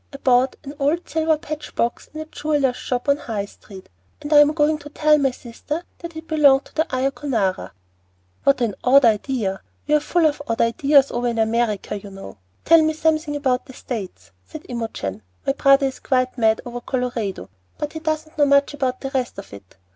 I bought an old silver patch box in a jeweller's shop on the High Street, and I'm going to tell my sister that it belonged to Ayacanora." "What an odd idea." "We are full of odd ideas over in America, you know." "Tell me something about the States," said Imogen. "My brother is quite mad over Colorado, but he doesn't know much about the rest of it.